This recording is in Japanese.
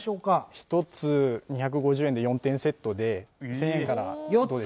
１つ２５０円で４点セットで１０００円からどうでしょうか？